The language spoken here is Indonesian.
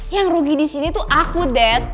yang rugi di sini tuh aku ded